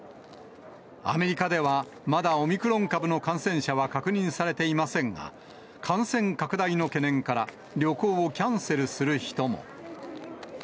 アメリカでは、まだオミクロン株の感染者は確認されていませんが、感染拡大の懸念から、旅行をキャンセルする人も。